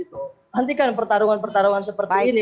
nantikan pertarungan pertarungan seperti ini